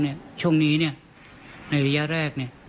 เขาดูแลน้องเนี่ยช่วงนี้เนี่ยในระยะแรกเนี่ย